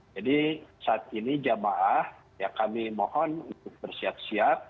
jadi saat ini jamaah ya kami mohon untuk bersiap siap